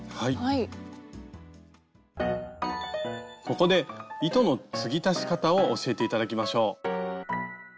ここで糸の継ぎ足し方を教えて頂きましょう。